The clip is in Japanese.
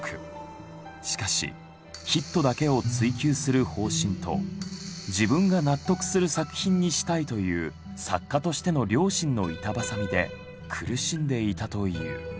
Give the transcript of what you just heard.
しかしヒットだけを追求する方針と自分が納得する作品にしたいという作家としての良心の板挟みで苦しんでいたという。